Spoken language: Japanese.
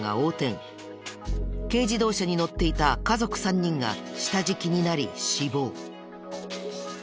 軽自動車に乗っていた家族３人が下敷きになり死亡。